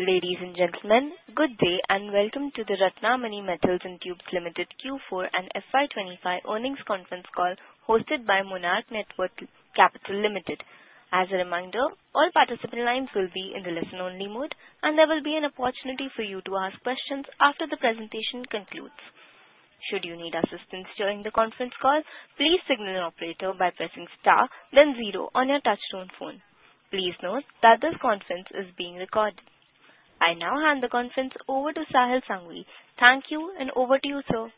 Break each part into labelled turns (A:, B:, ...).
A: Ladies and gentlemen, good day and welcome to the Ratnamani Metals & Tubes Ltd Q4 and FY 2025 earnings conference call hosted by Monarch Networth Capital Ltd. As a reminder, all participant lines will be in the listen-only mode, and there will be an opportunity for you to ask questions after the presentation concludes. Should you need assistance during the conference call, please signal an operator by pressing star, then zero on your touch-tone phone. Please note that this conference is being recorded. I now hand the conference over to Sahil Sanghvi. Thank you, and over to you, sir.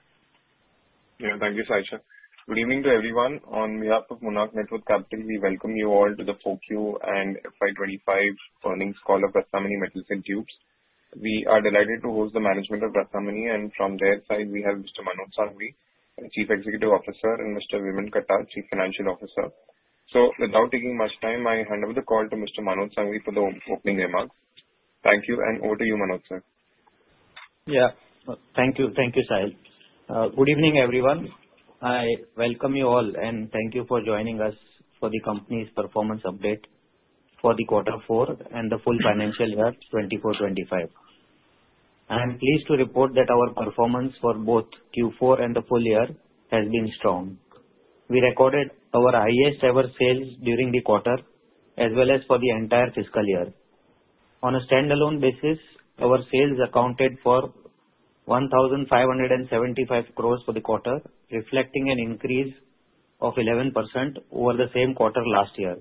B: Yeah, thank you, Saisha. Good evening to everyone. On behalf of Monarch Networth Capital, we welcome you all to the 4Q and FY 2025 earnings call of Ratnamani Metals & Tubes. We are delighted to host the management of Ratnamani and from their side, we have Mr. Manoj Sanghvi, Chief Executive Officer, and Mr. Vimal Katta, Chief Financial Officer. So, without taking much time, I hand over the call to Mr. Manoj Sanghvi for the opening remarks. Thank you, and over to you, Manoj, sir.
C: Yeah, thank you. Thank you, Sahil. Good evening, everyone. I welcome you all and thank you for joining us for the company's performance update for the quarter four and the full financial year 2024-2025. I am pleased to report that our performance for both Q4 and the full year has been strong. We recorded our highest-ever sales during the quarter, as well as for the entire fiscal year. On a standalone basis, our sales accounted for 1,575 crore for the quarter, reflecting an increase of 11% over the same quarter last year.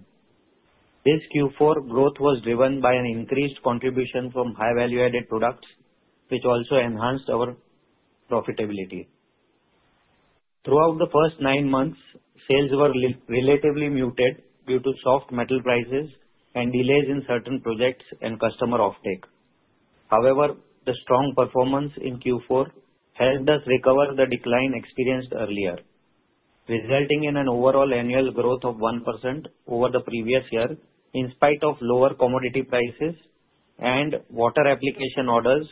C: This Q4 growth was driven by an increased contribution from high-value-added products, which also enhanced our profitability. Throughout the first nine months, sales were relatively muted due to soft metal prices and delays in certain projects and customer offtake. However, the strong performance in Q4 helped us recover the decline experienced earlier, resulting in an overall annual growth of 1% over the previous year, in spite of lower commodity prices and water application orders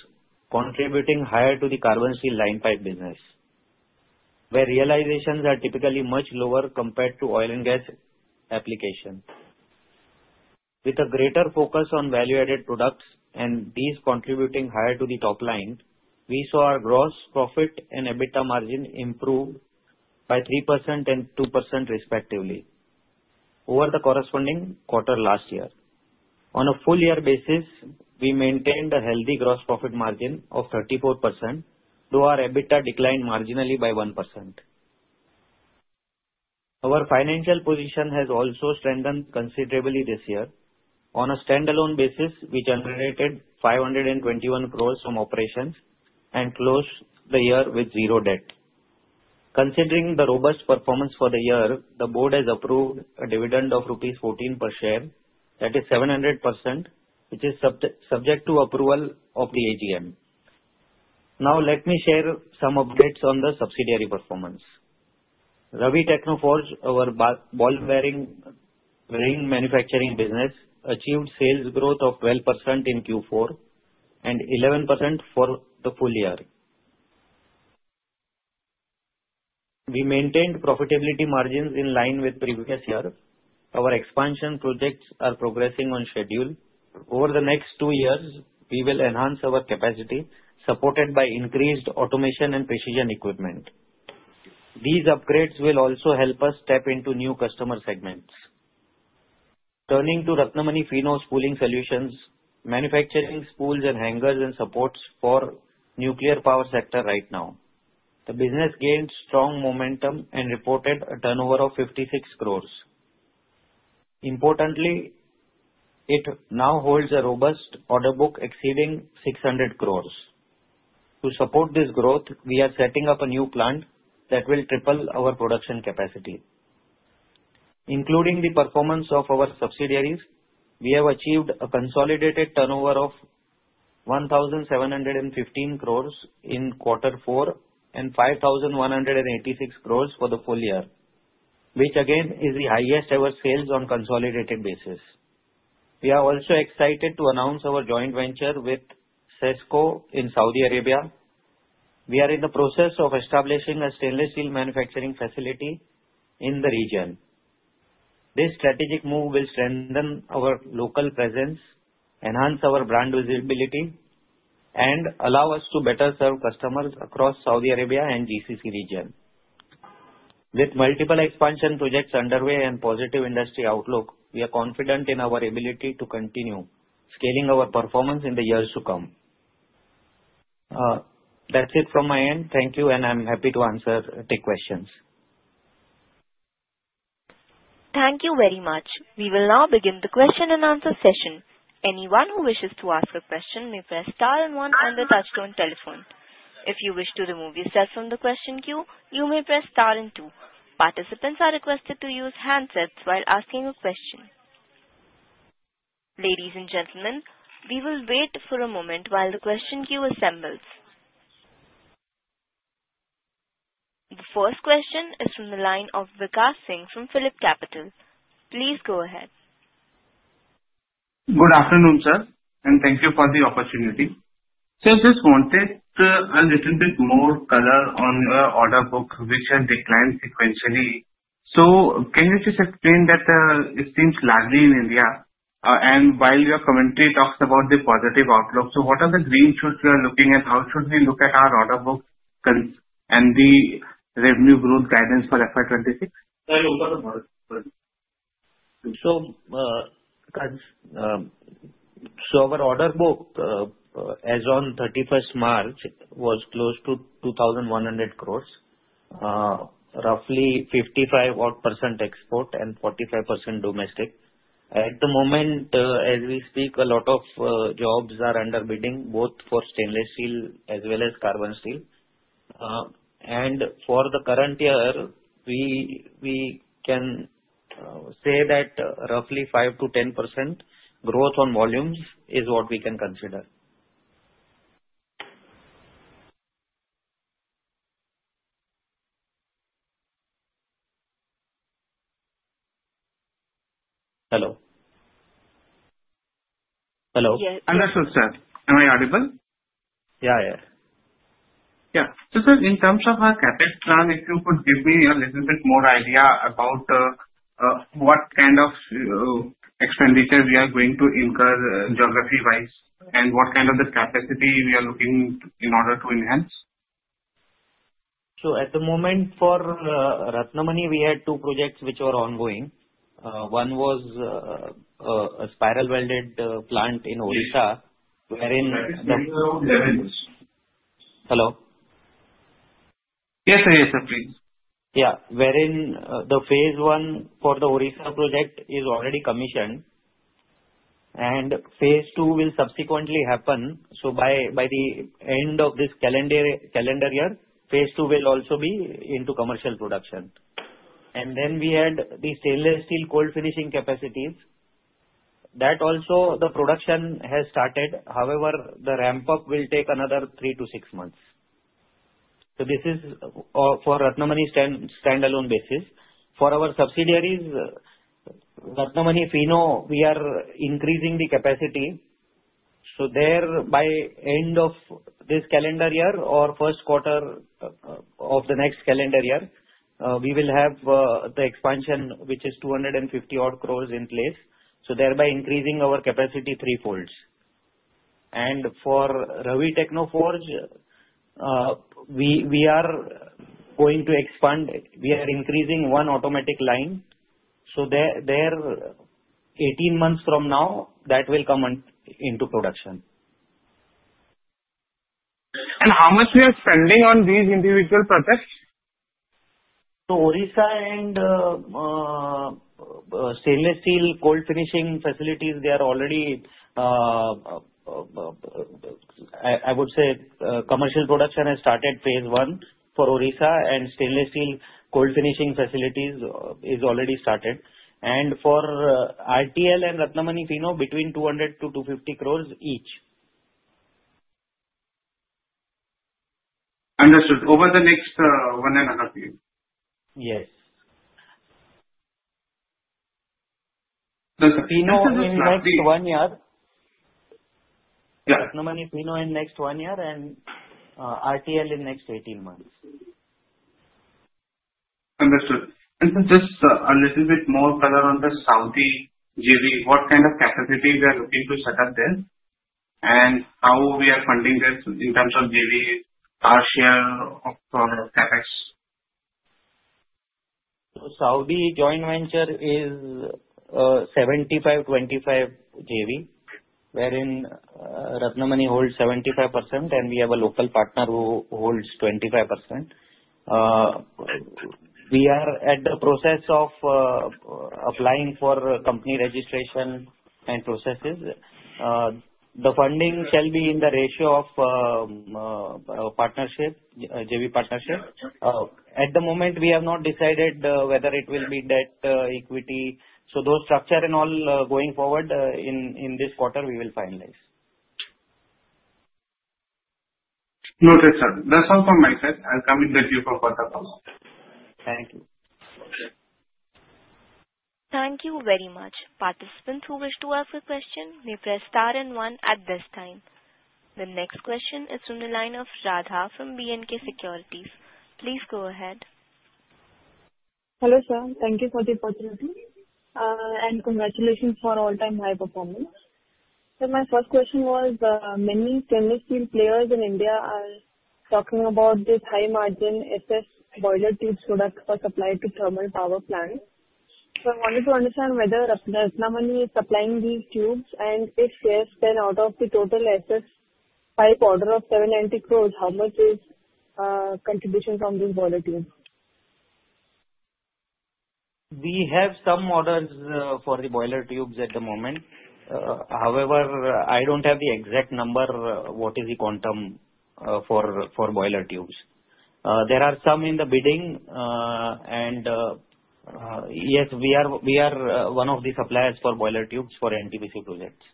C: contributing higher to the carbon steel line pipe business, where realizations are typically much lower compared to oil and gas application. With a greater focus on value-added products and these contributing higher to the top line, we saw our gross profit and EBITDA margin improve by 3% and 2%, respectively, over the corresponding quarter last year. On a full-year basis, we maintained a healthy gross profit margin of 34%, though our EBITDA declined marginally by 1%. Our financial position has also strengthened considerably this year. On a standalone basis, we generated 521 crore from operations and closed the year with zero debt. Considering the robust performance for the year, the board has approved a dividend of rupees 14 per share, that is 700%, which is subject to approval of the AGM. Now, let me share some updates on the subsidiary performance. Ravi Technoforge, our ball bearing ring manufacturing business, achieved sales growth of 12% in Q4 and 11% for the full year. We maintained profitability margins in line with previous years. Our expansion projects are progressing on schedule. Over the next two years, we will enhance our capacity, supported by increased automation and precision equipment. These upgrades will also help us step into new customer segments. Turning to Ratnamani Finow Spooling Solutions, manufacturing spools and hangers and supports for the nuclear power sector right now, the business gained strong momentum and reported a turnover of 56 crore. Importantly, it now holds a robust order book exceeding 600 crore. To support this growth, we are setting up a new plant that will triple our production capacity. Including the performance of our subsidiaries, we have achieved a consolidated turnover of 1,715 crore in quarter four and 5,186 crore for the full year, which again is the highest-ever sales on a consolidated basis. We are also excited to announce our joint venture with SESCO in Saudi Arabia. We are in the process of establishing a stainless steel manufacturing facility in the region. This strategic move will strengthen our local presence, enhance our brand visibility, and allow us to better serve customers across Saudi Arabia and GCC region. With multiple expansion projects underway and a positive industry outlook, we are confident in our ability to continue scaling our performance in the years to come. That's it from my end. Thank you, and I'm happy to answer questions.
A: Thank you very much. We will now begin the question-and-answer session. Anyone who wishes to ask a question may press star and one on the touch-tone telephone. If you wish to remove yourself from the question queue, you may press star and two. Participants are requested to use handsets while asking a question. Ladies and gentlemen, we will wait for a moment while the question queue assembles. The first question is from the line of Vikash Singh from Phillip Capital. Please go ahead.
D: Good afternoon, sir, and thank you for the opportunity. So I just wanted a little bit more color on your order book, which has declined sequentially. So can you just explain that it seems lagging in India? And while your commentary talks about the positive outlook, so what are the green shoots we are looking at? How should we look at our order book and the revenue growth guidance for FY 2026?
C: Our order book as of 31st March was close to 2,100 crore, roughly 55% export and 45% domestic. At the moment, as we speak, a lot of jobs are under bidding, both for stainless steel as well as carbon steel. And for the current year, we can say that roughly 5%-10% growth on volumes is what we can consider. Hello. Hello.
A: Yes.
D: Understood, sir. Am I audible?
C: Yeah, yeah.
D: Yeah. So sir, in terms of our CapEx plan, if you could give me a little bit more idea about what kind of expenditure we are going to incur geography-wise and what kind of capacity we are looking in order to enhance?
C: So at the moment for Ratnamani, we had two projects which were ongoing. One was a spiral welded plant in Odisha, wherein the... Hello?
D: Yes, sir. Yes, sir, please.
C: Yeah. Wherein the phase I for the Odisha project is already commissioned, and phase II will subsequently happen. So by the end of this calendar year, phase II will also be into commercial production. And then we had the stainless-steel cold finishing capacities. That also, the production has started. However, the ramp-up will take another three to six months. So this is for Ratnamani standalone basis. For our subsidiaries, Ratnamani Finow, we are increasing the capacity. So there, by the end of this calendar year or first quarter of the next calendar year, we will have the expansion, which is 250 crore in place. So thereby increasing our capacity threefold. And for Ravi Technoforge, we are going to expand. We are increasing one automatic line. So there, 18 months from now, that will come into production.
D: How much we are spending on these individual projects?
C: Odisha and stainless-steel cold finishing facilities, they are already, I would say, commercial production has started phase I for Odisha, and stainless-steel cold finishing facilities is already started. For RTL and Ratnamani Metals, between 200 to 250 crore each.
D: Understood. Over the next one and a half year?
C: Yes. Finow in next one year. Yeah. Ratnamani Finow in next one year and RTL in next 18 months.
D: Understood. And just a little bit more color on the Saudi JV. What kind of capacity we are looking to set up there? And how we are funding this in terms of JV, our share of CapEx?
C: Saudi joint venture is 75/25 JV, wherein Ratnamani holds 75%, and we have a local partner who holds 25%. We are at the process of applying for company registration and processes. The funding shall be in the ratio of partnership, JV partnership. At the moment, we have not decided whether it will be debt, equity, so those structure and all going forward in this quarter, we will finalize.
D: Noted, sir. That's all from my side. I'll come in the queue for further follow-up.
C: Thank you.
A: Thank you very much. Participants who wish to ask a question may press star and one at this time. The next question is from the line of Radha from B&K Securities. Please go ahead.
E: Hello, sir. Thank you for the opportunity. And congratulations for all-time high performance. So my first question was, many stainless-steel players in India are talking about this high-margin SS boiler tubes product for supply to thermal power plants. So I wanted to understand whether Ratnamani is supplying these tubes, and if yes, then out of the total SS pipe order of 790 crore, how much is contribution from these boiler tubes?
C: We have some orders for the boiler tubes at the moment. However, I don't have the exact number. What is the quantum for boiler tubes? There are some in the bidding, and yes, we are one of the suppliers for boiler tubes for NTPC projects.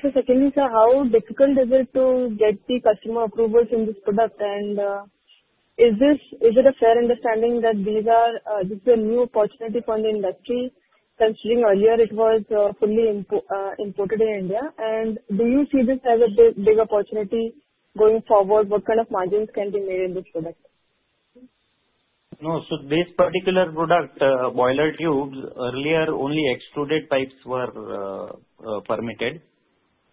E: So secondly, sir, how difficult is it to get the customer approvals in this product? And is it a fair understanding that this is a new opportunity for the industry, considering earlier it was fully imported in India? And do you see this as a big opportunity going forward? What kind of margins can be made in this product?
C: No. So this particular product, boiler tubes, earlier only extruded pipes were permitted.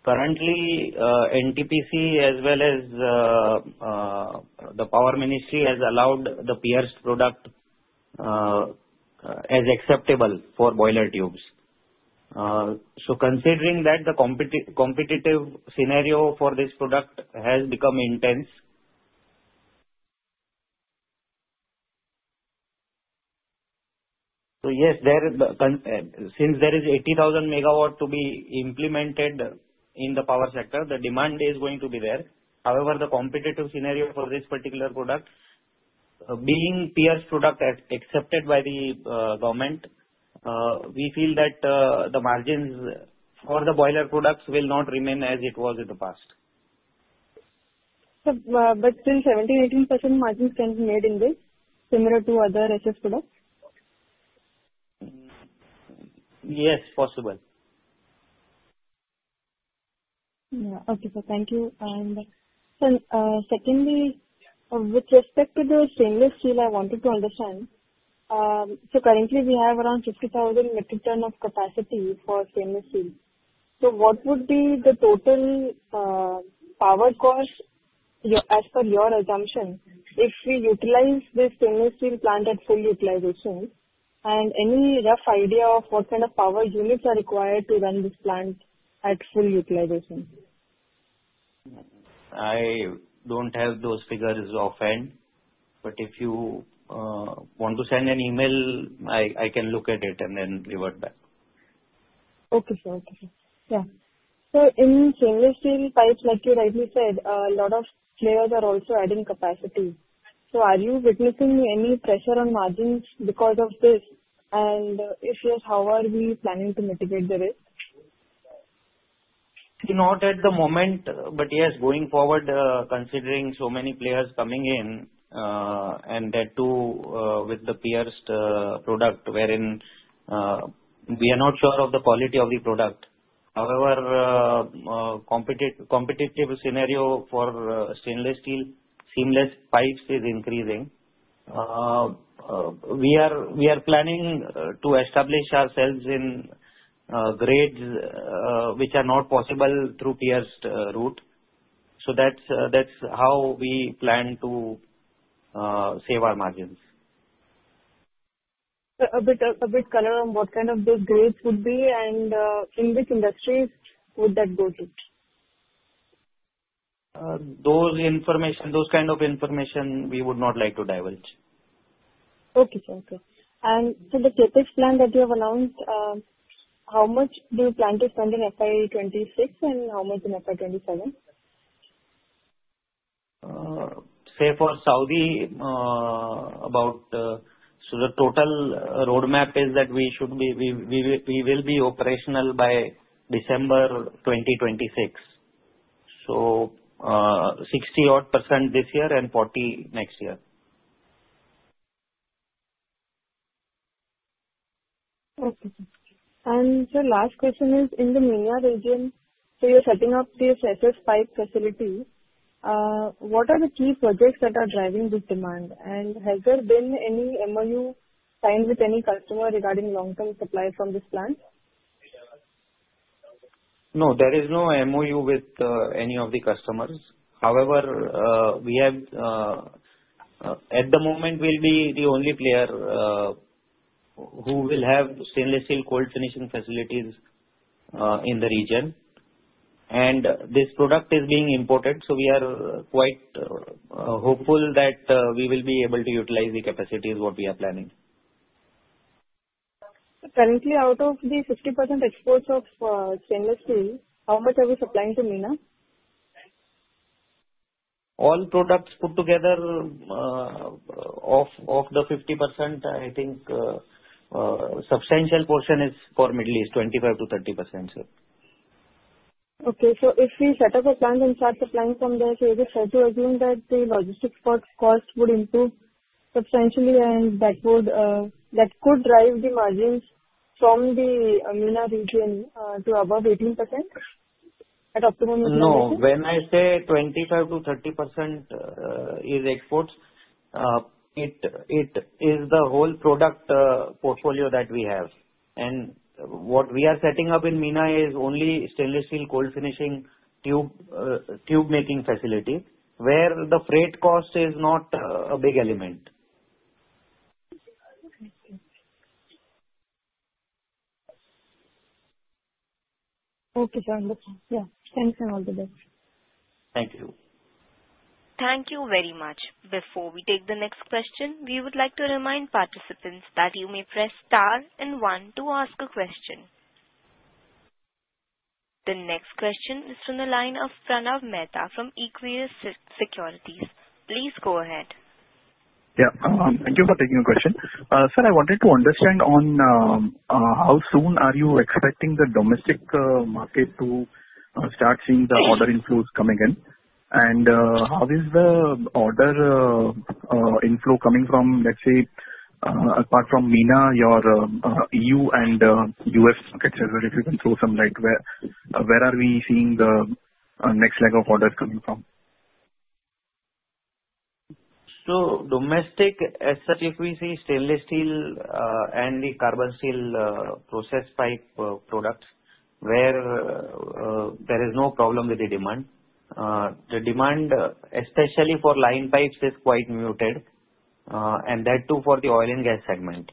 C: Currently, NTPC as well as the power ministry has allowed the pierced product as acceptable for boiler tubes. So considering that, the competitive scenario for this product has become intense. So yes, since there is 80,000 MW to be implemented in the power sector, the demand is going to be there. However, the competitive scenario for this particular product, being a pierced product accepted by the government, we feel that the margins for the boiler products will not remain as it was in the past.
E: But still, 17%-18% margins can be made in this, similar to other SS products?
C: Yes, possible.
E: Okay, sir. Thank you. And sir, secondly, with respect to the stainless steel, I wanted to understand. So currently, we have around 50,000 metric tons of capacity for stainless steel. So what would be the total power cost as per your assumption if we utilize this stainless-steel plant at full utilization? And any rough idea of what kind of power units are required to run this plant at full utilization?
C: I don't have those figures offhand, but if you want to send an email, I can look at it and then revert back.
E: Okay, sir. Yeah. So in stainless steel pipes, like you rightly said, a lot of players are also adding capacity. So are you witnessing any pressure on margins because of this? And if yes, how are we planning to mitigate the risk?
C: Not at the moment. But yes, going forward, considering so many players coming in and that too with the pierced product, wherein we are not sure of the quality of the product. However, competitive scenario for stainless steel seamless pipes is increasing. We are planning to establish ourselves in grades which are not possible through pierced route. So that's how we plan to save our margins.
E: A bit of color on what kind of those grades would be and in which industries would that go to?
C: Those kinds of information, we would not like to divulge.
E: Okay, sir. Okay. And for the CapEx plan that you have announced, how much do you plan to spend in FY 2026 and how much in FY 2027?
C: Say for Saudi, about so the total roadmap is that we will be operational by December 2026, so 60-odd% this year and 40 next year.
E: Okay. And so last question is, in the MENA region, so you're setting up this SS pipe facility. What are the key projects that are driving this demand? And has there been any MOU signed with any customer regarding long-term supply from this plant?
C: No, there is no MOU with any of the customers. However, we have, at the moment, we'll be the only player who will have stainless-steel cold finishing facilities in the region, and this product is being imported, so we are quite hopeful that we will be able to utilize the capacity, is what we are planning.
E: So currently, out of the 50% exports of stainless steel, how much are we supplying to MENA?
C: All products put together of the 50%, I think substantial portion is for Middle East, 25%-30%.
E: Okay, so if we set up a plant and start supplying from there, so is it fair to assume that the logistics cost would improve substantially and that could drive the margins from the MENA region to above 18% at optimum?
C: No. When I say 25%-30% is exports, it is the whole product portfolio that we have and what we are setting up in MENA is only stainless-steel cold finishing tube making facility where the freight cost is not a big element.
E: Okay, sir. Understood. Yeah. Thanks and all the best.
C: Thank you.
A: Thank you very much. Before we take the next question, we would like to remind participants that you may press star and one to ask a question. The next question is from the line of Pranav Mehta from Equirus Securities. Please go ahead.
F: Yeah. Thank you for taking the question. Sir, I wanted to understand on how soon are you expecting the domestic market to start seeing the order inflows coming in? And how is the order inflow coming from, let's say, apart from MENA, your EU and U.S. markets? If you can throw some light, where are we seeing the next leg of orders coming from?
C: So, domestic, as we see, stainless steel and the carbon steel process pipe products where there is no problem with the demand. The demand, especially for line pipes, is quite muted. And that too for the oil and gas segment.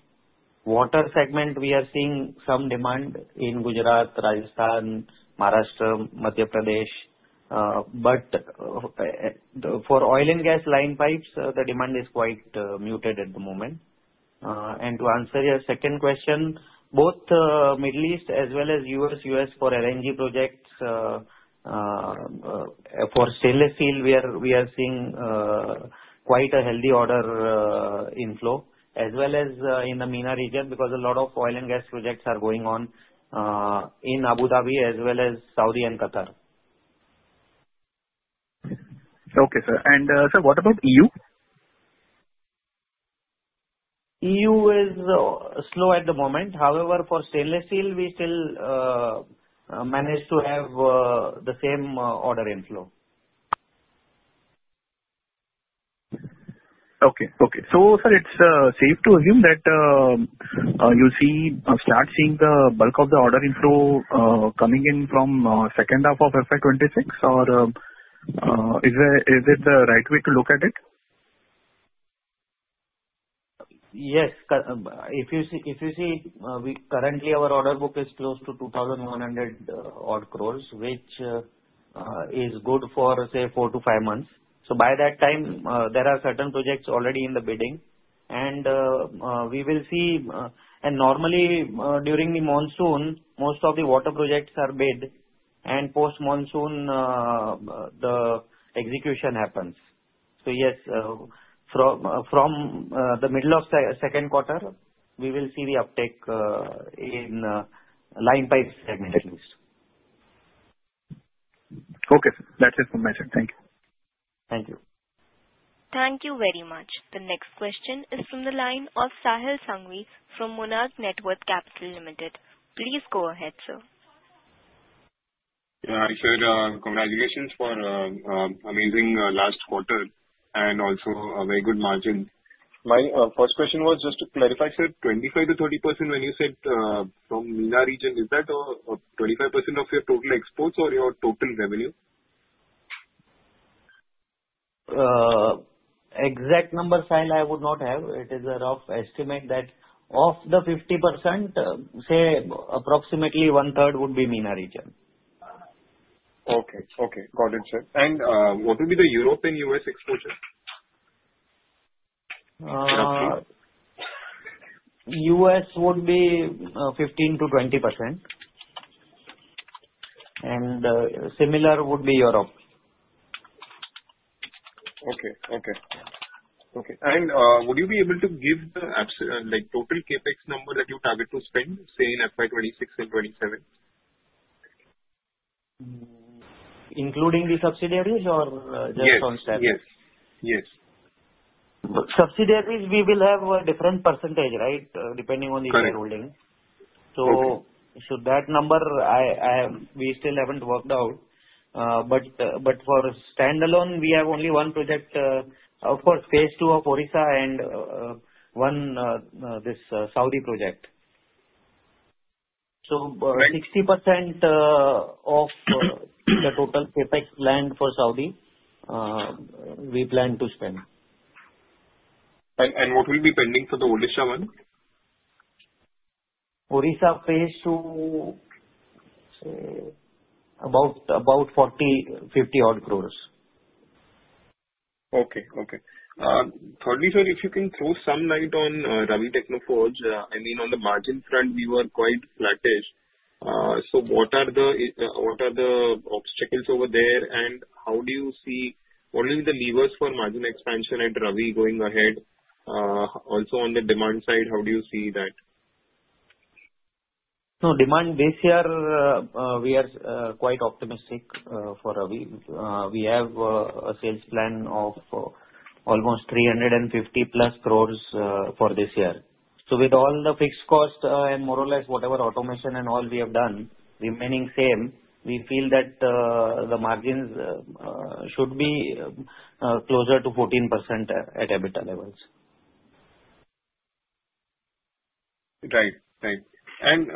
C: Water segment, we are seeing some demand in Gujarat, Rajasthan, Maharashtra, Madhya Pradesh. But for oil and gas line pipes, the demand is quite muted at the moment. And to answer your second question, both Middle East as well as U.S. for LNG projects, for stainless steel, we are seeing quite a healthy order inflow as well as in the MENA region because a lot of oil and gas projects are going on in Abu Dhabi as well as Saudi and Qatar.
F: Okay, sir. And sir, what about EU?
C: EU is slow at the. moment. However, for stainless steel, we still manage to have the same order inflow.
F: Sir, it's safe to assume that you see or start seeing the bulk of the order inflow coming in from second half of FY 2026, or is it the right way to look at it?
C: Yes. If you see, currently our order book is close to 2,100 odd crore, which is good for, say, four to five months. So by that time, there are certain projects already in the bidding. And we will see. And normally during the monsoon, most of the water projects are bid. And post-monsoon, the execution happens. So yes, from the middle of second quarter, we will see the uptake in line pipe segments.
F: Okay, sir. That's information. Thank you.
C: Thank you.
A: Thank you very much. The next question is from the line of Sahil Sanghvi from Monarch Networth Capital Limited. Please go ahead, sir.
B: Yeah. I said congratulations for amazing last quarter and also a very good margin. My first question was just to clarify, sir, 25%-30% when you said from MENA region, is that 25% of your total exports or your total revenue?
C: Exact number, Sahil, I would not have. It is a rough estimate that of the 50%, say approximately 1/3 would be MENA region.
B: Okay. Okay. Got it, sir. And what would be the Europe and U.S. exposure?
C: U.S. would be 15%-20%. And similar would be Europe.
B: And would you be able to give the total CapEx number that you target to spend, say in FY 2026 and FY 2027?
C: Including the subsidiaries or just on staff?
B: Yes. Yes. Yes.
C: Subsidiaries, we will have a different percentage, right, depending on the shareholding. So that number, we still haven't worked out. But for standalone, we have only one project, of course, phase II of Odisha and one this Saudi project. So 60% of the total Capex planned for Saudi, we plan to spend.
B: What will be pending for the Odisha one?
C: Odisha phase II, say about 40-50 odd crore.
B: Okay. Okay. Thirdly, sir, if you can throw some light on Ravi Technoforge. I mean, on the margin front, we were quite flattish. So what are the obstacles over there, and how do you see what will be the levers for margin expansion at Ravi going ahead? Also on the demand side, how do you see that?
C: No, demand this year, we are quite optimistic for Ravi. We have a sales plan of almost 350+ crore for this year. So with all the fixed cost and more or less whatever automation and all we have done, remaining same, we feel that the margins should be closer to 14% at EBITDA levels.
B: Right. Right. And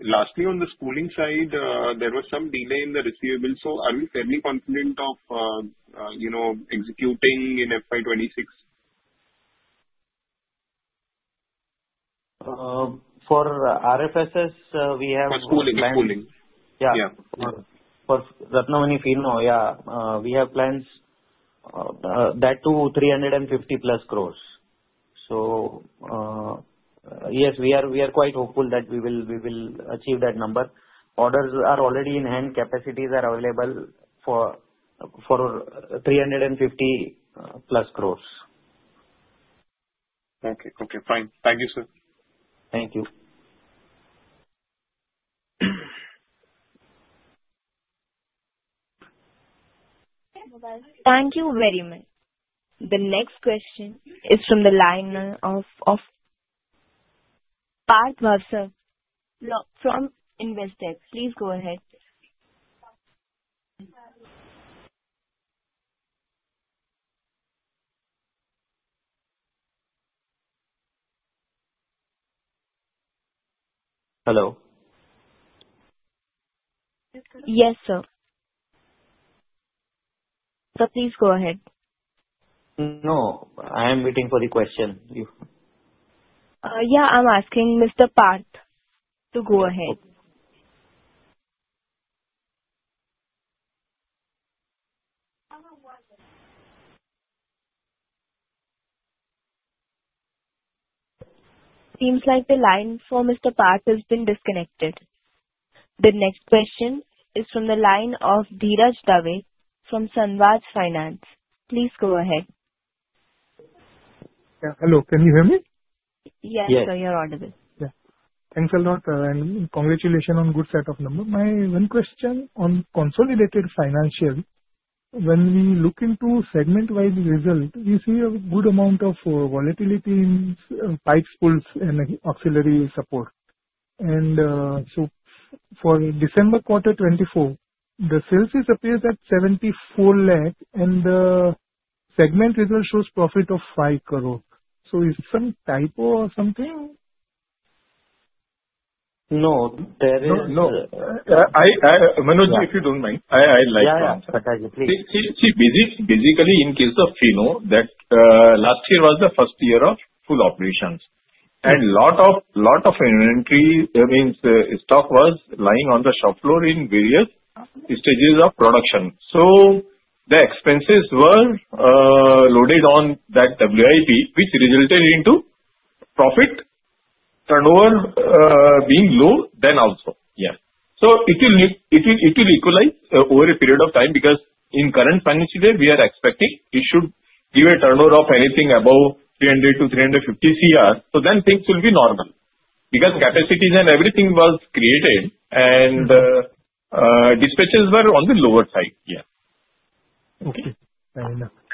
B: lastly, on the spooling side, there was some delay in the receivables. So are we fairly confident of executing in FY 2026?
C: For RFSS, we have.
B: For spooling. Spooling.
C: Yeah. For Ratnamani Finow, yeah, we have plans that too 350+ crore. So yes, we are quite hopeful that we will achieve that number. Orders are already in hand. Capacities are available for 350+ crore.
B: Okay. Okay. Fine. Thank you, sir.
C: Thank you.
A: Thank you very much. The next question is from the line of Parth Bhavsar from Investec. Please go ahead.
C: Hello?
A: Yes, sir. So please go ahead.
C: No. I am waiting for the question.
A: Yeah. I'm asking Mr. Parth to go ahead. Seems like the line for Mr. Parth has been disconnected. The next question is from the line of Dhiraj Dave from Samvad Finance. Please go ahead.
G: Hello. Can you hear me?
A: Yes. So you're audible.
G: Yeah. Thanks a lot, and congratulations on good set of numbers. My one question on consolidated financials. When we look into segment-wise results, we see a good amount of volatility in pipes, spools, and auxiliary support. So for December quarter 2024, the sales appear at 74 lakh, and the segment result shows profit of 5 crore. So is it some typo or something?
C: No. There is.
H: No. Manoj, if you don't mind, I like to answer.
C: Yeah. Please.
H: See, basically, in case of Finow, last year was the first year of full operations. And a lot of inventory, I mean, stock was lying on the shop floor in various stages of production. So the expenses were loaded on that WIP, which resulted into profit turnover being low then also. Yeah. So it will equalize over a period of time because in current financial year, we are expecting it should give a turnover of anything above 300-350 crore. So then things will be normal because capacities and everything was created, and dispatches were on the lower side.
G: Yeah. Okay.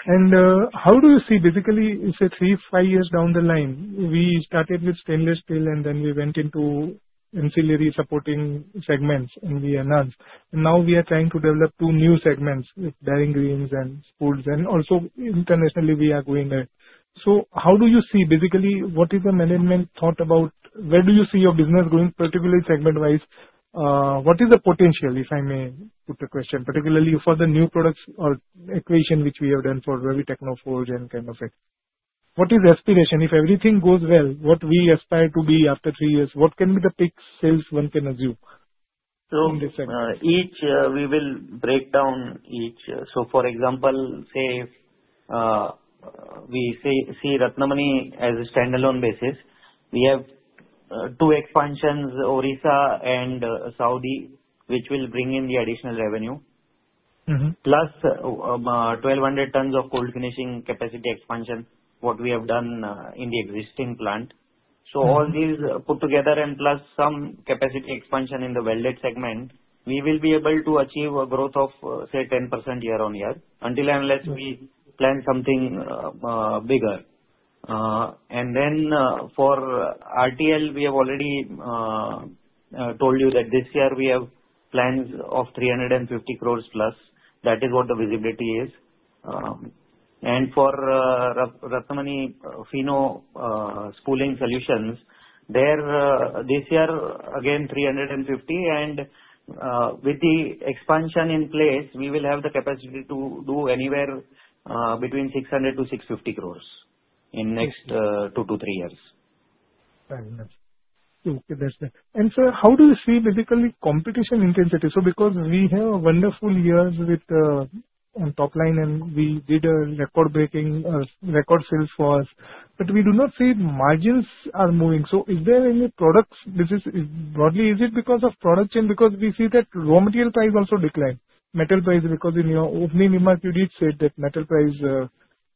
G: And how do you see basically, say, three, five years down the line, we started with stainless steel, and then we went into ancillary supporting segments, and we announced. And now we are trying to develop two new segments, bearing rings and spools. And also internationally, we are going there. So how do you see basically what is the management thought about? Where do you see your business going, particularly segment-wise? What is the potential, if I may put the question, particularly for the new products or acquisition which we have done for Ravi Technoforge and kind of it? What is aspiration? If everything goes well, what we aspire to be after three years, what can be the peak sales one can assume in this segment?
C: Let us break down each. For example, say we see Ratnamani on a standalone basis. We have two expansions, Odisha and Saudi, which will bring in the additional revenue, plus 1,200 tons of cold finishing capacity expansion, what we have done in the existing plant. All these put together and plus some capacity expansion in the welded segment, we will be able to achieve a growth of, say, 10% year on year unless we plan something bigger. Then for RTL, we have already told you that this year we have plans of 350+ crore. That is what the visibility is. For Ratnamani Finow Spooling Solutions, this year, again, 350 crore. With the expansion in place, we will have the capacity to do anywhere between 600 to 650 crore in next two to three years.
G: Okay. That's good. And sir, how do you see basically competition intensity? So because we have a wonderful year with top line and we did a record-breaking record sales for us, but we do not see margins are moving. So is there any products? Broadly, is it because of product chain? Because we see that raw material price also declined. Metal price, because in your opening remark, you did say that metal price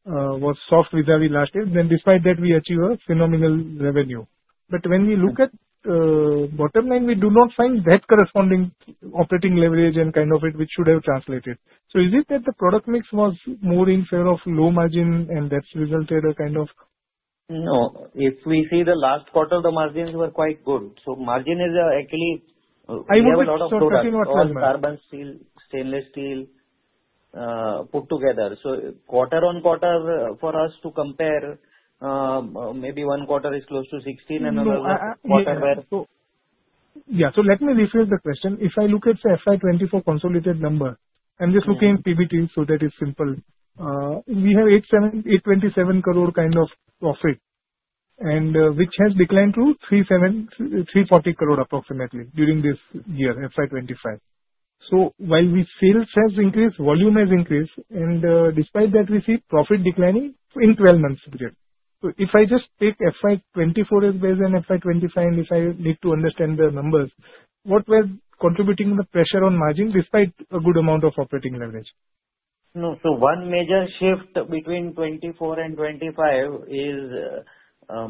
G: was soft vis-à-vis last year. Then despite that, we achieve a phenomenal revenue. But when we look at bottom line, we do not find that corresponding operating leverage and kind of it, which should have translated. So is it that the product mix was more in favor of low margin and that resulted a kind of?
C: No. If we see the last quarter, the margins were quite good. So margin is actually we have a lot of production.
G: I want to ask you something.
C: Carbon steel, stainless steel put together. So quarter on quarter for us to compare, maybe one quarter is close to 16 and another quarter where...
G: Yeah. So let me rephrase the question. If I look at the FY 2024 consolidated number, I'm just looking at PBT so that it's simple. We have 827 crore kind of profit, which has declined to 340 crore approximately during this year, FY 2025. So while we sales has increased, volume has increased, and despite that, we see profit declining in 12 months period. So if I just take FY 2024 as well as FY 2025, and if I need to understand the numbers, what were contributing the pressure on margin despite a good amount of operating leverage?
C: No. So one major shift between 2024 and 2025 is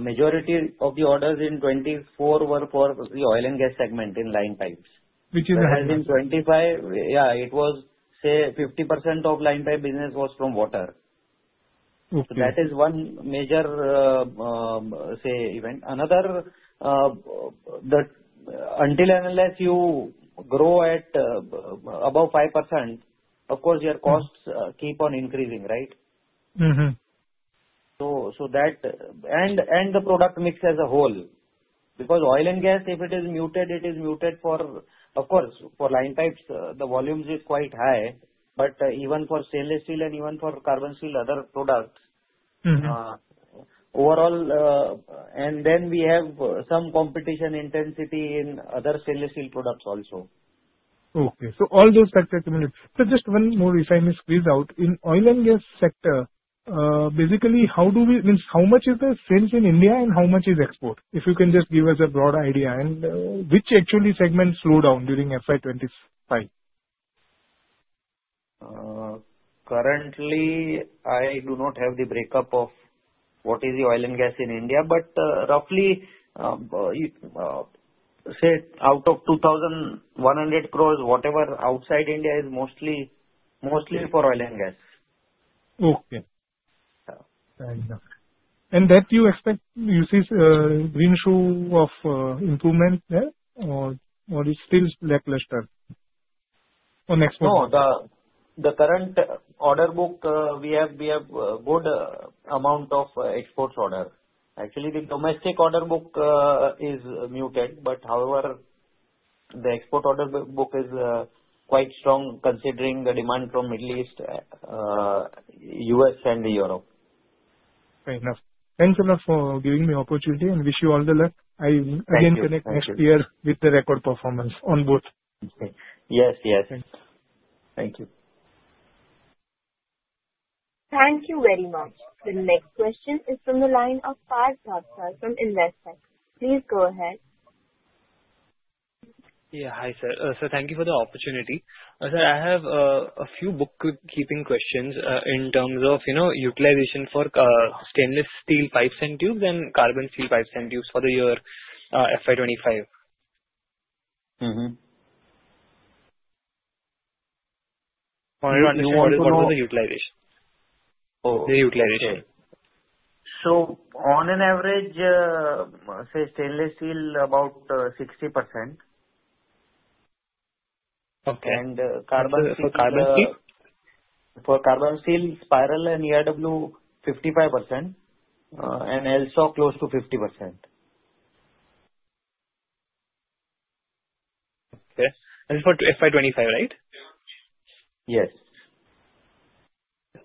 C: majority of the orders in 2024 were for the oil and gas segment in line pipes.
I: Which is?
C: As in 2025, yeah, it was, say, 50% of line pipe business was from water. So that is one major, say, event. Another, until unless you grow at above 5%, of course, your costs keep on increasing, right?
G: Mm-hmm.
C: So, that and the product mix as a whole. Because oil and gas, if it is muted, it is muted for, of course, for line pipes, the volumes is quite high. But even for stainless steel and even for carbon steel other products, overall. And then we have some competition intensity in other stainless-steel products also.
G: Okay, so all those factors similar, so just one more, if I may squeeze out. In oil and gas sector, basically, how do we mean, how much is the sales in India and how much is export? If you can just give us a broad idea, and which actually segments slow down during FY 2025?
C: Currently, I do not have the breakup of what is the oil and gas in India. But roughly, say, out of 2,100 crore, whatever outside India is mostly for oil and gas.
G: Okay. And do you expect, do you see a window of improvement there, or is it still lackluster on exports?
C: No. The current order book, we have good amount of export orders. Actually, the domestic order book is muted, but however, the export order book is quite strong considering the demand from Middle East, U.S., and Europe.
G: Fair enough. Thanks a lot for giving me opportunity and wish you all the luck. I will again connect next year with the record performance on both.
C: Yes. Yes. Thank you.
A: Thank you very much. The next question is from the line of Parth Bhavsar from Investec. Please go ahead.
J: Yeah. Hi, sir, so thank you for the opportunity. Sir, I have a few bookkeeping questions in terms of utilization for stainless steel pipes and tubes and carbon steel pipes and tubes for the year FY 2025. I want to understand what was the utilization?
C: So on an average, say, stainless steel, about 60%. And carbon steel?
J: For carbon steel?
C: For carbon steel, spiral and ERW, 55%, and LSAW close to 50%.
J: Okay. And for FY 2025, right?
C: Yes.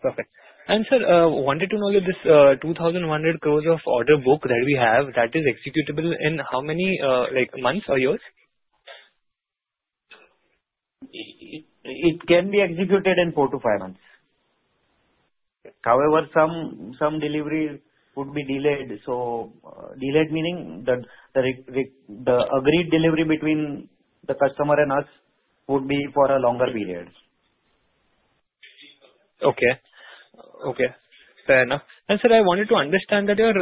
J: Perfect. And sir, wanted to know that this 2,100 crore of order book that we have, that is executable in how many months or years?
C: It can be executed in four to five months. However, some delivery would be delayed. So delayed meaning the agreed delivery between the customer and us would be for a longer period.
J: Okay. Okay. Fair enough. And sir, I wanted to understand that your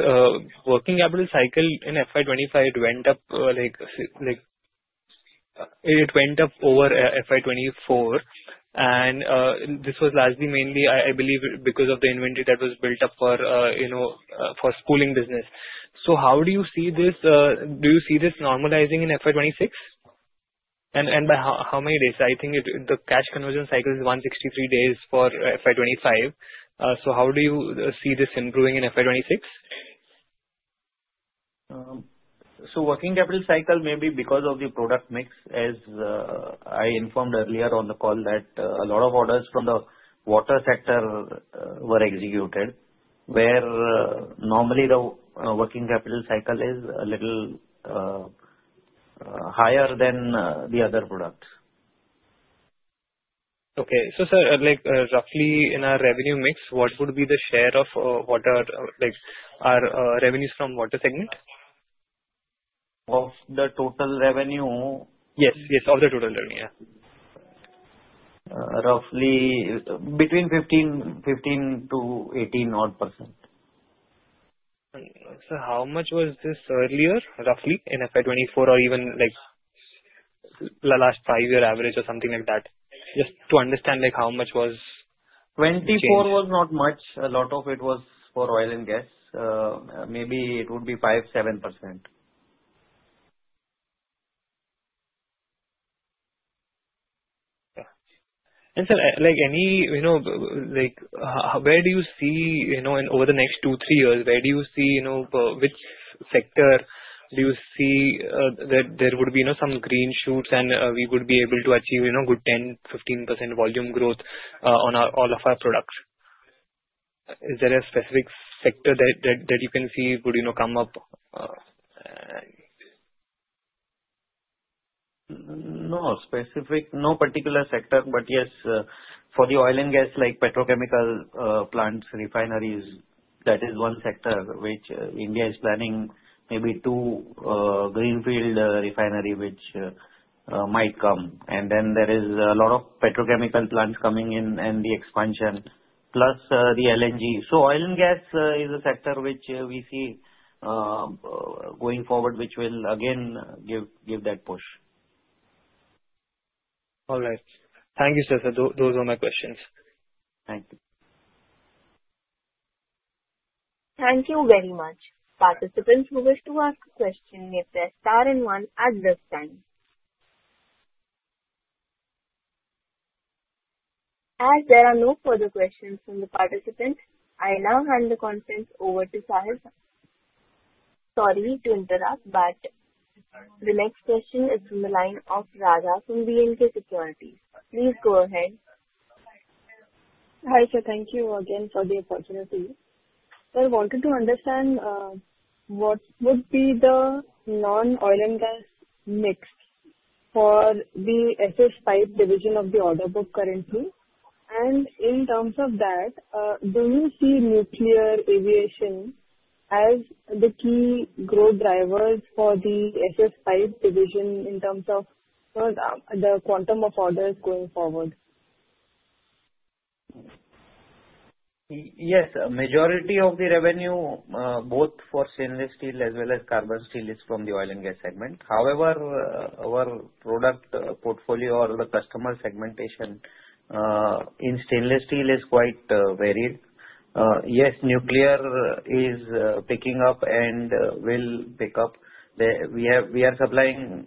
J: working capital cycle in FY 2025, it went up over FY 2024. And this was largely mainly, I believe, because of the inventory that was built up for spooling business. So how do you see this? Do you see this normalizing in FY 2026? And by how many days? I think the cash conversion cycle is 163 days for FY 2025. So how do you see this improving in FY 2026?
C: So working capital cycle may be because of the product mix, as I informed earlier on the call, that a lot of orders from the water sector were executed, where normally the working capital cycle is a little higher than the other products.
J: Okay. So, sir, roughly in our revenue mix, what would be the share of our revenues from water segment?
C: Of the total revenue?
J: Yes. Yes. Of the total revenue. Yeah.
C: Roughly between 15% to 18% odd.
J: So how much was this earlier, roughly, in FY 2024 or even the last five-year average or something like that? Just to understand how much was.
C: 2024 was not much. A lot of it was for oil and gas. Maybe it would be 5%-7%.
J: Sir, where do you see in over the next two, three years, where do you see which sector do you see that there would be some green shoots and we would be able to achieve a good 10%-15% volume growth on all of our products? Is there a specific sector that you can see would come up?
C: No. No particular sector. But yes, for the oil and gas, like petrochemical plants, refineries, that is one sector which India is planning, maybe two greenfield refineries which might come. And then there is a lot of petrochemical plants coming in and the expansion, plus the LNG. So oil and gas is a sector which we see going forward, which will again give that push.
J: All right. Thank you, sir. So those are my questions.
C: Thank you.
A: Thank you very much. Participants who wish to ask a question may press star and one at this time. As there are no further questions from the participants, I now hand the conference over to Sahil, sorry to interrupt, but the next question is from the line of Radha from B&K Securities. Please go ahead.
E: Hi, sir. Thank you again for the opportunity. Sir, I wanted to understand what would be the non-oil and gas mix for the SS pipe division of the order book currently? And in terms of that, do you see nuclear aviation as the key growth drivers for the SS pipe division in terms of the quantum of orders going forward?
C: Yes. Majority of the revenue, both for stainless steel as well as carbon steel, is from the oil and gas segment. However, our product portfolio or the customer segmentation in stainless steel is quite varied. Yes, nuclear is picking up and will pick up. We are supplying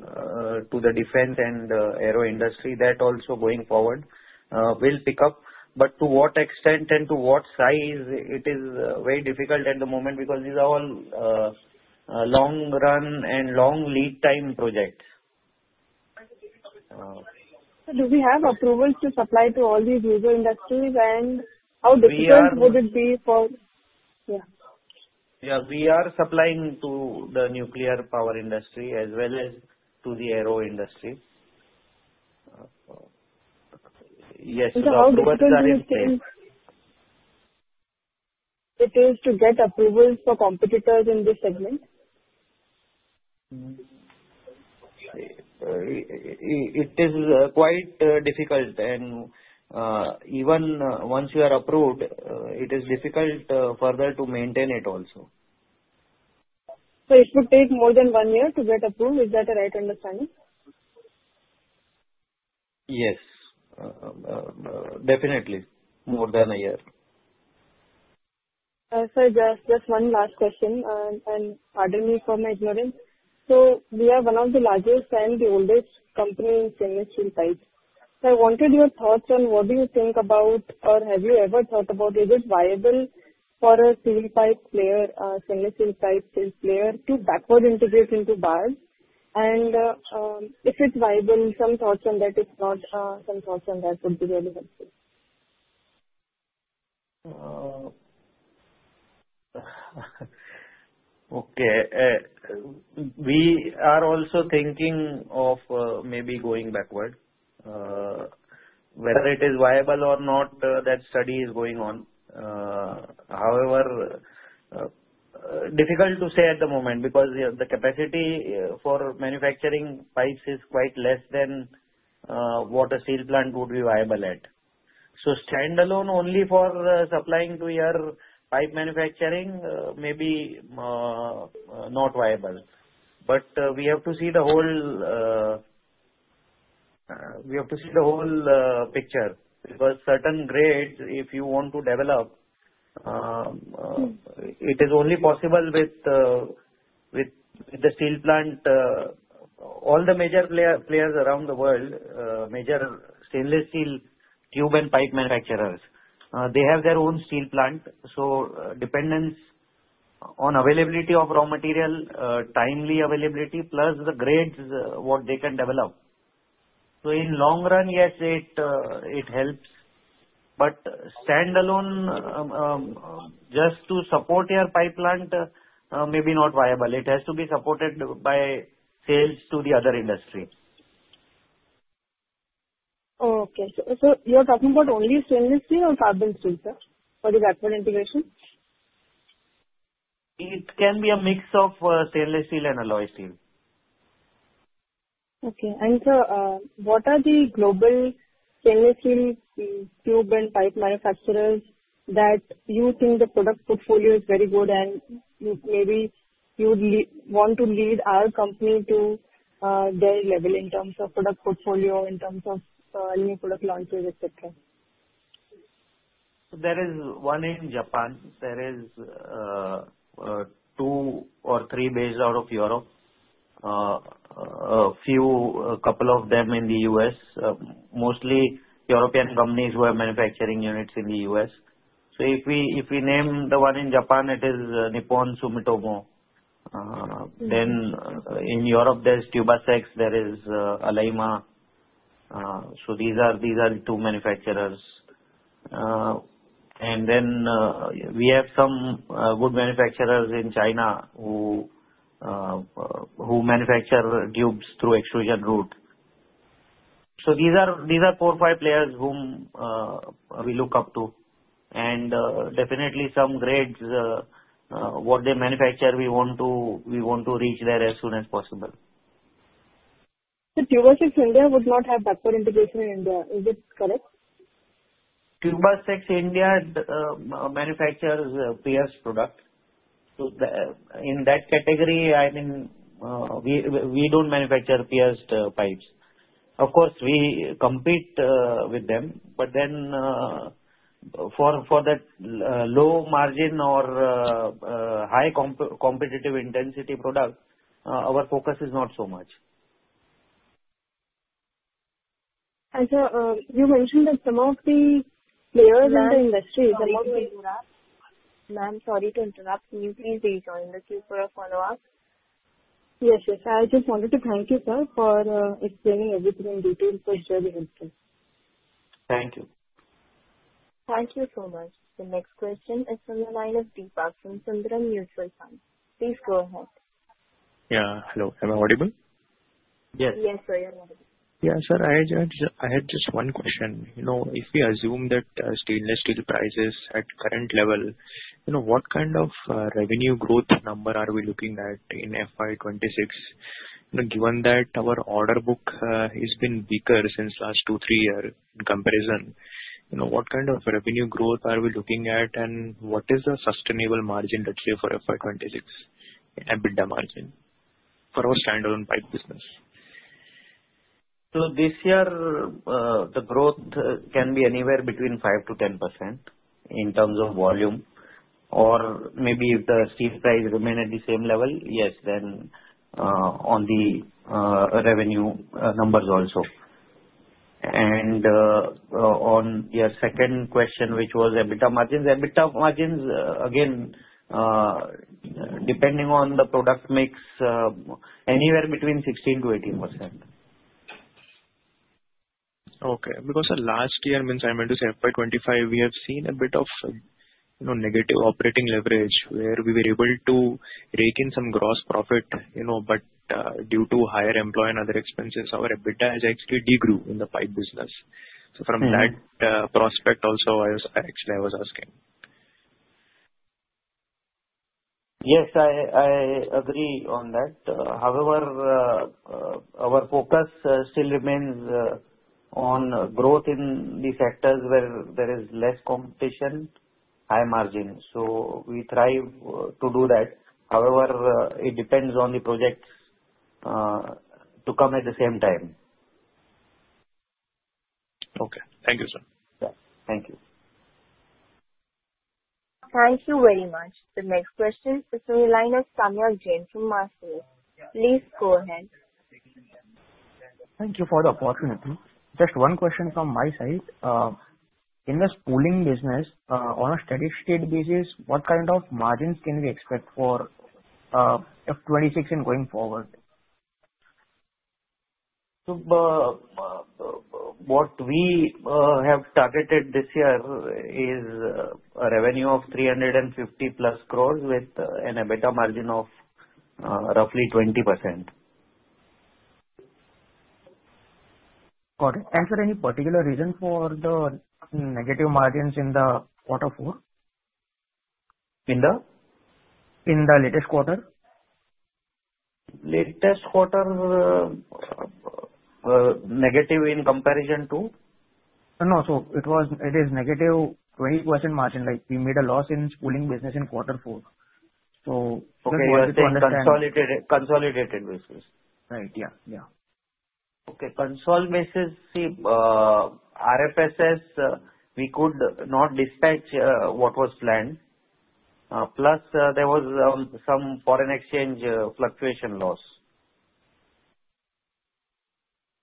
C: to the defense and aero industry. That also going forward will pick up. But to what extent and to what size, it is very difficult at the moment because these are all long run and long lead time projects.
E: So do we have approvals to supply to all these user industries? And how difficult would it be for?
C: Yeah. We are supplying to the nuclear power industry as well as to the aero industry. Yes.
E: How difficult is it to get approvals for competitors in this segment?
C: It is quite difficult, and even once you are approved, it is difficult further to maintain it also.
E: So it would take more than one year to get approved. Is that a right understanding?
C: Yes. Definitely. More than a year.
E: Sir, just one last question, and pardon me for my ignorance. We are one of the largest and the oldest companies in the steel pipes. I wanted your thoughts on what do you think about, or have you ever thought about, is it viable for a steel pipe player, a stainless-steel pipe player, to backward integrate into bars? And if it's viable, some thoughts on that, if not, some thoughts on that would be really helpful.
C: Okay. We are also thinking of maybe going backward. Whether it is viable or not, that study is going on. However, difficult to say at the moment because the capacity for manufacturing pipes is quite less than what a steel plant would be viable at. So standalone only for supplying to your pipe manufacturing may be not viable. But we have to see the whole picture because certain grades, if you want to develop, it is only possible with the steel plant. All the major players around the world, major stainless-steel tube and pipe manufacturers, they have their own steel plant. So dependence on availability of raw material, timely availability, plus the grades, what they can develop. So in long run, yes, it helps. But standalone, just to support your pipe plant, maybe not viable. It has to be supported by sales to the other industry.
E: Okay, so you're talking about only stainless steel or carbon steel, sir, for the backward integration?
C: It can be a mix of stainless steel and alloy steel.
E: Okay. Sir, what are the global stainless steel tube and pipe manufacturers that you think the product portfolio is very good, and maybe you'd want to lead our company to their level in terms of product portfolio, in terms of new product launches, etc.?
C: There is one in Japan. There are two or three based out of Europe. A couple of them in the U.S., mostly European companies who have manufacturing units in the U.S. So if we name the one in Japan, it is Nippon Sumitomo. Then in Europe, there's Tubacex. There is Alleima. So these are the two manufacturers. And then we have some good manufacturers in China who manufacture tubes through extrusion route. So these are four, five players whom we look up to. And definitely some grades, what they manufacture, we want to reach there as soon as possible.
E: Tubacex India would not have backward integration in India. Is it correct?
C: Tubacex India manufactures pierced product. So in that category, I mean, we don't manufacture pierced pipes. Of course, we compete with them. But then for that low margin or high competitive intensity product, our focus is not so much.
E: And sir, you mentioned that some of the players in the industry.
A: Sorry to interrupt. Ma'am, sorry to interrupt. Can you please rejoin the queue for a follow-up?
E: Yes. Yes. I just wanted to thank you, sir, for explaining everything in detail. It was really helpful.
C: Thank you.
A: Thank you so much. The next question is from the line of Deepak from Sundaram Mutual Fund. Please go ahead.
I: Yeah. Hello. Am I audible?
C: Yes.
A: Yes, sir. You're audible.
I: Yeah. Sir, I had just one question. If we assume that stainless steel prices at current level, what kind of revenue growth number are we looking at in FY 2026? Given that our order book has been weaker since last two, three years in comparison, what kind of revenue growth are we looking at, and what is the sustainable margin, let's say, for FY 2026, EBITDA margin for our standalone pipe business?
C: So this year, the growth can be anywhere between 5%-10% in terms of volume. Or maybe if the steel price remained at the same level, yes, then on the revenue numbers also. And on your second question, which was EBITDA margins, EBITDA margins, again, depending on the product mix, anywhere between 16%-18%.
I: Okay. Because last year, means I meant to say FY 2025, we have seen a bit of negative operating leverage where we were able to rake in some gross profit. But due to higher employee and other expenses, our EBITDA has actually de-grew in the pipe business. So from that prospect also, actually, I was asking.
C: Yes, I agree on that. However, our focus still remains on growth in the sectors where there is less competition, high margin. So we strive to do that. However, it depends on the projects to come at the same time.
I: Okay. Thank you, sir.
C: Yeah. Thank you.
A: Thank you very much. The next question is from the line of Samyak Jain from Marcellus. Please go ahead.
K: Thank you for the opportunity. Just one question from my side. In the spooling business, on a steady-state basis, what kind of margins can we expect for FY 2026 and going forward?
C: So what we have targeted this year is a revenue of 350+ crore and EBITDA margin of roughly 20%.
K: Got it. And sir, any particular reason for the negative margins in the quarter four?
C: In the?
K: In the latest quarter.
C: Latest quarter negative in comparison to?
K: No. So it is -20% margin. We made a loss in spooling business in quarter four. So.
C: Okay. Consolidated basis.
K: Right. Yeah. Yeah.
C: Okay. Consolidated basis, see, RFSS, we could not dispatch what was planned. Plus, there was some foreign exchange fluctuation loss.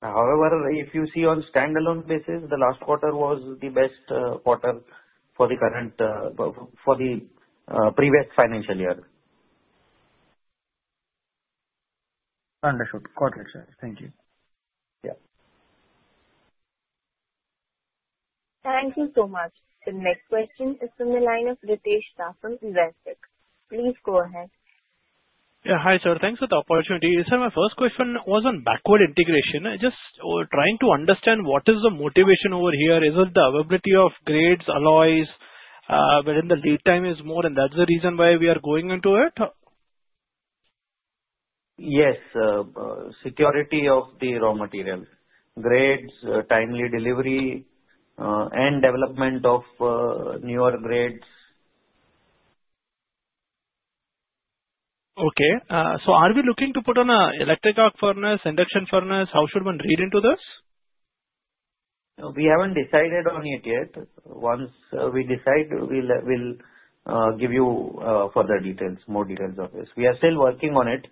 C: However, if you see on standalone basis, the last quarter was the best quarter for the previous financial year.
K: Understood. Got it, sir. Thank you.
C: Yeah.
A: Thank you so much. The next question is from the line of Ritesh Shah from Investec. Please go ahead.
L: Yeah. Hi, sir. Thanks for the opportunity. Sir, my first question was on backward integration. Just trying to understand what is the motivation over here? Is it the availability of grades, alloys, wherein the lead time is more, and that's the reason why we are going into it?
C: Yes. Security of the raw materials, grades, timely delivery, and development of newer grades.
L: Okay, so are we looking to put on an electric arc furnace, induction furnace? How should one read into this?
C: We haven't decided on it yet. Once we decide, we'll give you further details, more details of this. We are still working on it.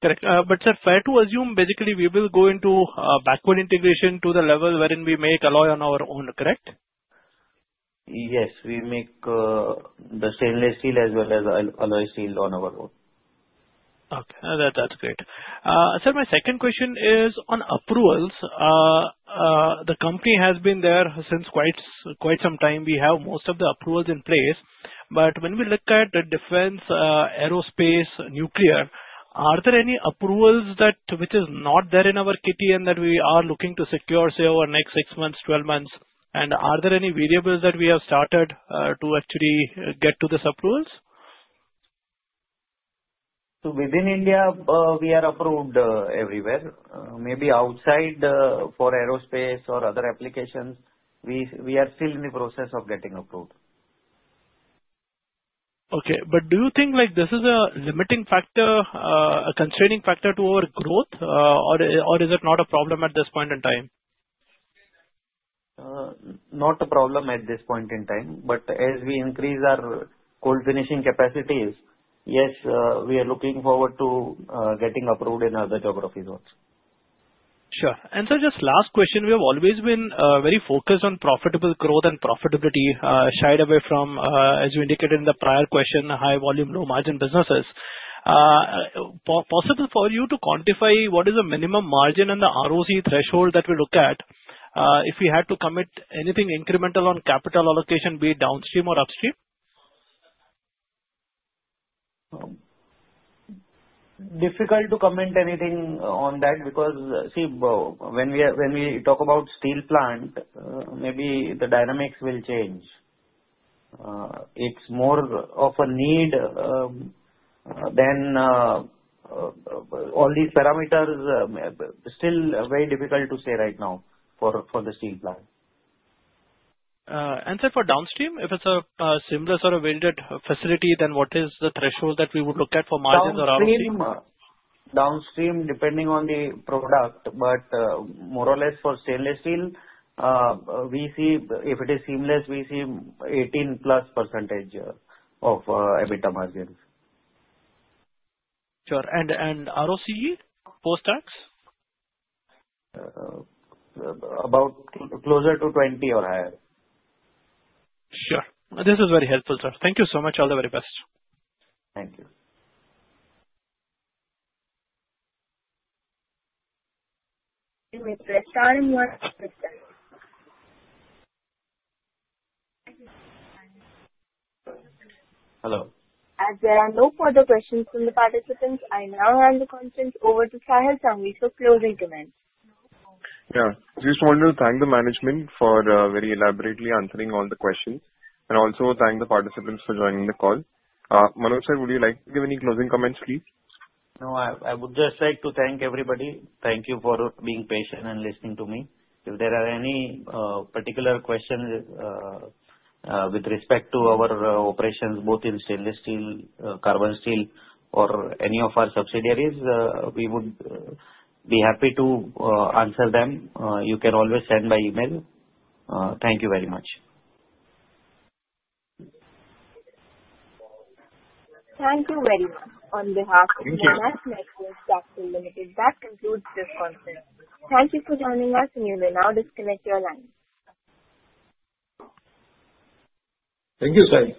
L: Correct. But sir, fair to assume basically we will go into backward integration to the level wherein we make alloy on our own, correct?
C: Yes. We make the stainless steel as well as alloy steel on our own.
L: Okay. That's great. Sir, my second question is on approvals. The company has been there since quite some time. We have most of the approvals in place. But when we look at defense, aerospace, nuclear, are there any approvals which are not there in our kitty that we are looking to secure, say, over the next six months, 12 months? And are there any variables that we have started to actually get to these approvals?
C: So within India, we are approved everywhere. Maybe outside for aerospace or other applications, we are still in the process of getting approved.
L: Okay. But do you think this is a limiting factor, a constraining factor to our growth, or is it not a problem at this point in time?
C: Not a problem at this point in time. But as we increase our cold finishing capacities, yes, we are looking forward to getting approved in other geographies also.
L: Sure. And sir, just last question. We have always been very focused on profitable growth and profitability, shied away from, as you indicated in the prior question, high volume, low margin businesses. Possible for you to quantify what is the minimum margin and the ROC threshold that we look at if we had to commit anything incremental on capital allocation, be it downstream or upstream?
C: Difficult to comment anything on that because, see, when we talk about steel plant, maybe the dynamics will change. It's more of a need than all these parameters are still very difficult to say right now for the steel plant.
L: Sir, for downstream, if it's a seamless or a welded facility, then what is the threshold that we would look at for margins or ROC?
C: Upstream, downstream, depending on the product. But more or less for stainless steel, we see if it is seamless, we see 18%+ of EBITDA margins.
L: Sure. And ROCE post-tax?
C: About closer to 20% or higher.
L: Sure. This is very helpful, sir. Thank you so much. All the very best.
C: Thank you.
A: You may press star on...
C: Hello.
A: As there are no further questions from the participants, I now hand the content over to Sahil Sanghvi for closing comments.
B: Yeah. I just wanted to thank the management for very elaborately answering all the questions and also thank the participants for joining the call. Manoj sir, would you like to give any closing comments, please?
C: No, I would just like to thank everybody. Thank you for being patient and listening to me. If there are any particular questions with respect to our operations, both in stainless steel, carbon steel, or any of our subsidiaries, we would be happy to answer them. You can always send by email. Thank you very much.
A: Thank you very much. On behalf of Monarch Networth Capital Ltd, that concludes this content. Thank you for joining us, and you may now disconnect your line.
B: Thank you, Saish.